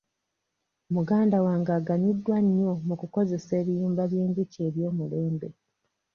Muganda wange aganyuddwa nnyo mu ku kozesa ebiyumba by'enjuki eby'omulembe.